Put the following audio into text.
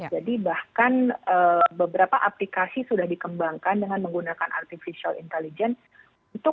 bahkan beberapa aplikasi sudah dikembangkan dengan menggunakan artificial intelligence